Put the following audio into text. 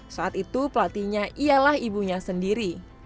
saat itu pelatihnya ialah ibunya sendiri